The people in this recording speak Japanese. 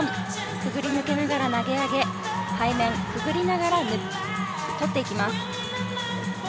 くぐり抜けながら投げ上げ背面、くぐりながらとっていきます。